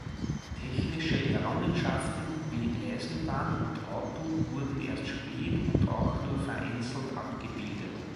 Technische Errungenschaften wie Eisenbahn und Auto wurden erst spät und auch nur vereinzelt abgebildet.